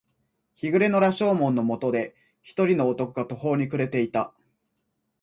日暮れの羅生門の下で、一人の男が途方に暮れていた。